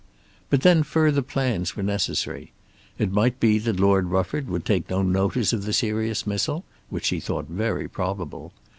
But then further plans were necessary. It might be that Lord Rufford would take no notice of the serious missile, which she thought very probable.